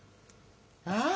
ああ！